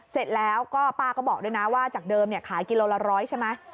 เสร็จแล้วก็ป้าก็บอกด้วยนะว่าจากเดิมขายกิโลละร้อยใช่ไหม